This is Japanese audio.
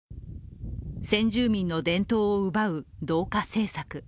先住民の伝統を奪う同化政策。